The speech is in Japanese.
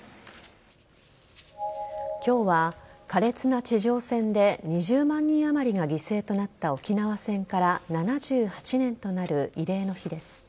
今日は苛烈な地上戦で２０万人余りが犠牲となった沖縄戦から７８年となる慰霊の日です。